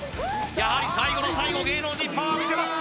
やはり最後の最後芸能人パワー見せます